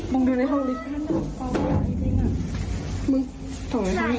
มองดูในห้องลิฟท์